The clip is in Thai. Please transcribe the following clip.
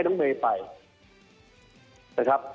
นะครับ